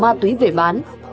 mùa ma túy về bán